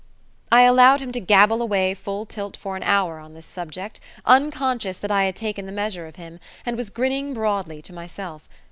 I allowed him to gabble away full tilt for an hour on this subject, unconscious that I had taken the measure of him, and was grinning broadly to myself.